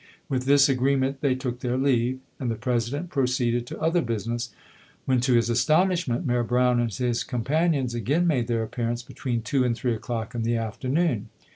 With this agreement they took their leave, and the President proceeded to other business, when, to his astonishment, Mayor Brown and his compan ions again made their appearance, between two and three o'clock in the afternoon.